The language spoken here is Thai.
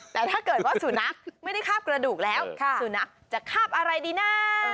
แต่ถ้าเกิดว่าสุนัขไม่ได้คาบกระดูกแล้วสุนัขจะคาบอะไรดีนะ